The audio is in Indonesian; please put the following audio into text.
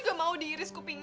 aku juga mau diiris kupingnya